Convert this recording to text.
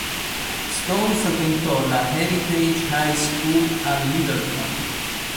Stone frequentò la Heritage High School, a Littleton.